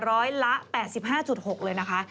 ร้อยละ๘๕๖เลยนะคะ